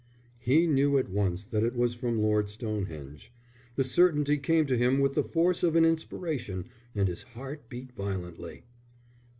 He knew at once that it was from Lord Stonehenge. The certainty came to him with the force of an inspiration, and his heart beat violently.